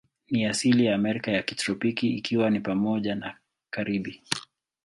Ni asili ya Amerika ya kitropiki, ikiwa ni pamoja na Karibi.